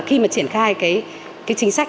khi mà triển khai cái chính sách